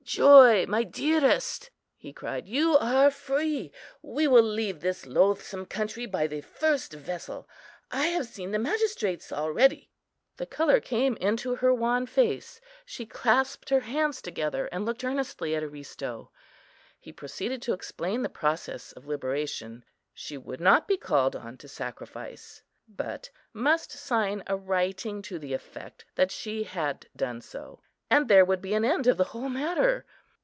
"Joy, my dearest," he cried; "you are free! We will leave this loathsome country by the first vessel. I have seen the magistrates already." The colour came into her wan face, she clasped her hands together, and looked earnestly at Aristo. He proceeded to explain the process of liberation. She would not be called on to sacrifice, but must sign a writing to the effect that she had done so, and there would be an end of the whole matter.